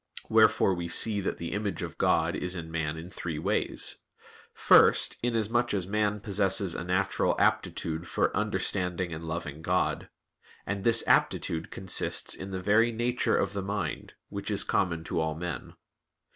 Wherefore we see that the image of God is in man in three ways. First, inasmuch as man possesses a natural aptitude for understanding and loving God; and this aptitude consists in the very nature of the mind, which is common to all men.